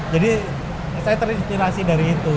jadi saya terinspirasi dari itu